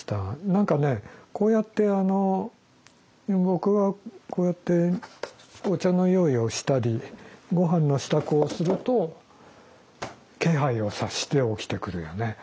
何かねこうやってあの僕がこうやってお茶の用意をしたりごはんの支度をすると気配を察して起きてくるよね。